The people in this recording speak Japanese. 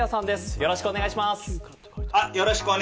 よろしくお願いします。